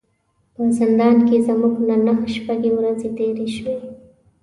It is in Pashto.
په زندان کې زموږ نه نهه شپې ورځې تیرې شوې.